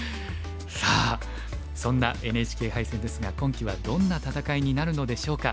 さあそんなＮＨＫ杯戦ですが今期はどんな戦いになるのでしょうか。